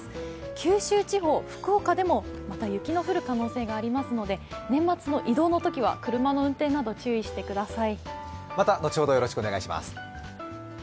九州地方、福岡でもまた雪の降る可能性がありますので年末の移動のときは車の運転など注意してください。